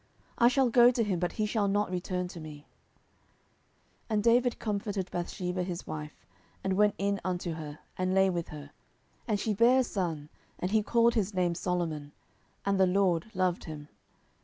I shall go to him, but he shall not return to me. 10:012:024 And David comforted Bathsheba his wife, and went in unto her, and lay with her: and she bare a son, and he called his name Solomon: and the LORD loved him.